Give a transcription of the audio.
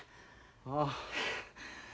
ああ。